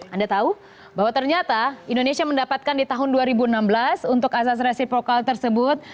anda tahu bahwa ternyata indonesia mendapatkan di tahun dua ribu enam belas untuk asas resiprokal tersebut